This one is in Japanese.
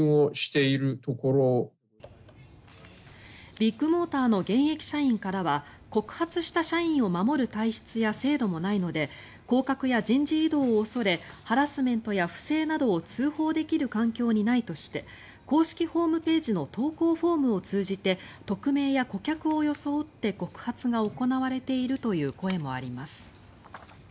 ビッグモーターの現役社員からは告発した社員を守る体質や制度もないので降格や人事異動を恐れハラスメントや不正などを通報できる環境にないとして公式ホームページの投稿フォームを通じて匿名や顧客を装って告発が行われているという声もあります。